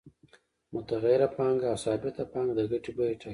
متغیره پانګه او ثابته پانګه د ګټې بیه ټاکي